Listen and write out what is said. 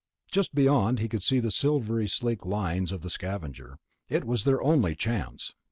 Just beyond, he could see the sleek silvery lines of the Scavenger. It was their only chance.